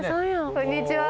こんにちは。